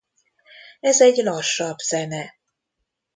Ez egy lassabb zene.